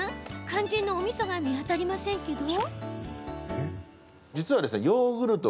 肝心のおみそが見当たりませんけど。